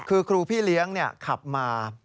คือครูพี่เลี้ยงขับมา